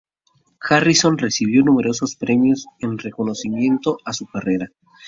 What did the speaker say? Harrison recibió numerosos premios en reconocimiento a su carrera.